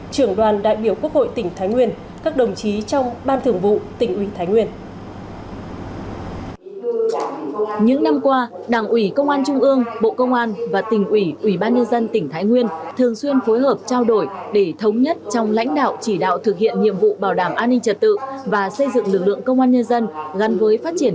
trưởng đoàn đại biểu quốc hội tỉnh thái nguyên các đồng chí trong ban thưởng vụ tỉnh ủy thái nguyên